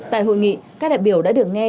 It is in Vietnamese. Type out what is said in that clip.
tại hội nghị các đại biểu đã được nghe